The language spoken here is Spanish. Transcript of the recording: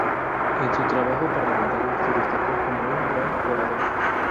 En su trabajo parlamentario se destacó como un gran orador.